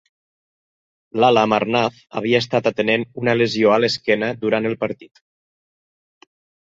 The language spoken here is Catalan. Lala Amarnath havia estat atenent una lesió a l"esquena durant el partit.